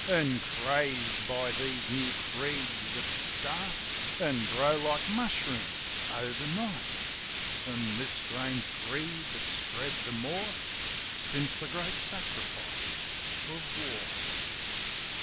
An' crazed by these new creeds that start An' grow like mushrooms, overnight ; An' this strange greed that's spread the more Since the great sacrifice of war.